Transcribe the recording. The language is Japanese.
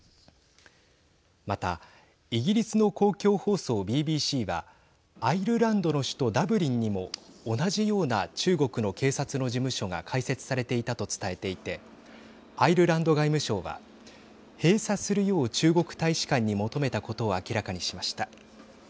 またイギリスの公共放送ＢＢＣはアイルランドの首都ダブリンにも同じような中国の警察の事務所が開設されていたと伝えていてアイルランド外務省は閉鎖するよう中国大使館に求めたことを明らかにしました。